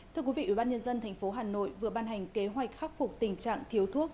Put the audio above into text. thưa quý vị ủy ban nhân dân tp hà nội vừa ban hành kế hoạch khắc phục tình trạng thiếu thuốc